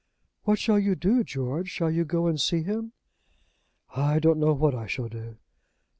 "What shall you do, George? Shall you go and see him?" "I don't know what I shall do?"